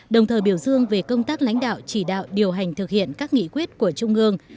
đồng thời biểu dương về công tác lãnh đạo chỉ đạo điều hành thực hiện các nghị quyết của trung ương